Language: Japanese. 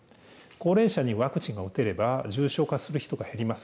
高齢者にワクチンが打てれば、重症化する人が減ります。